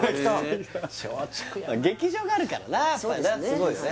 劇場があるからなやっぱなそうですね